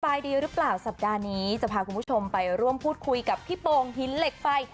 ดีหรือเปล่าสัปดาห์นี้จะพาคุณผู้ชมไปร่วมพูดคุยกับพี่โป่งหินเหล็กไฟ